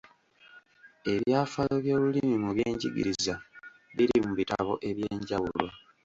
Ebyafaayo by’olulimi mu byenjigiriza biri mu bitabo eby'enjawulo.